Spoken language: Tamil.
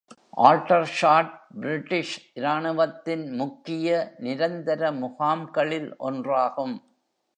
ஆல்டர்ஷாட் பிரிட்டிஷ் இராணுவத்தின் முக்கிய நிரந்தர முகாம்களில் ஒன்றாகும்.